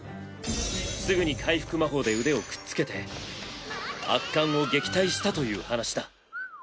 すぐに回復魔法で腕をくっつけて悪漢を撃退したという話だ。